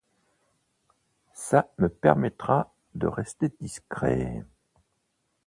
Ça me permettra de rester discret.